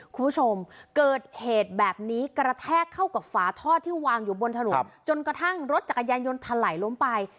คุณผู้ชมเกิดเหตุแบบนี้กระแทกเข้ากับฝาท่อที่วางอยู่บนถนนจนกระทั่งรถจักรยานยนต์ถลายล้มไป